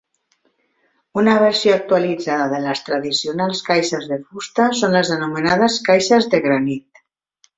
Una versió actualitzada de les tradicionals caixes de fusta són les anomenades caixes de granit.